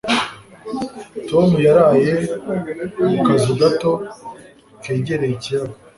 Tom yaraye mu kazu gato kegereye ikiyaga.